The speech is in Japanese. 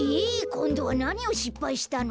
こんどはなにをしっぱいしたの？